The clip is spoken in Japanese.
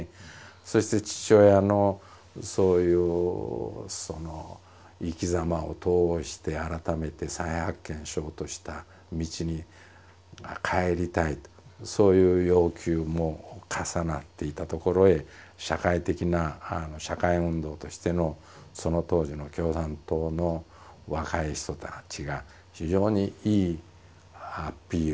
そして父親のそういう生きざまを通して改めて再発見しようとした道に帰りたいとそういう要求も重なっていたところへ社会的な社会運動としてのその当時の共産党の若い人たちが非常にいいアピールをしていたと。